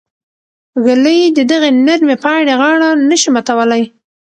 ږلۍ د دغې نرمې پاڼې غاړه نه شي ماتولی.